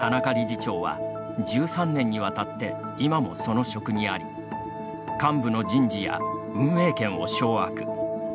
田中理事長は、１３年にわたって今もその職にあり幹部の人事や運営権を掌握。